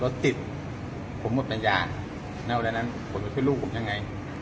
รถติดผมหมดปัญญาณเวลานั้นผลจะช่วยลูกผมยังไง